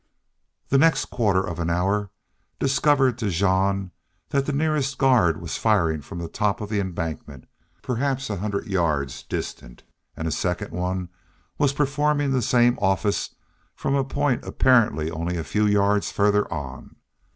The next quarter of an hour discovered to Jean that the nearest guard was firing from the top of the embankment, perhaps a hundred yards distant, and a second one was performing the same office from a point apparently only a few yards farther on.